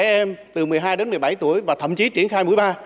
trẻ em từ một mươi hai đến một mươi bảy tuổi và thậm chí triển khai mũi ba